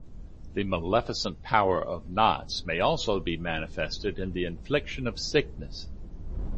The maleficent power of knots may also be manifested in the infliction of sickness.